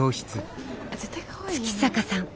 月坂さん。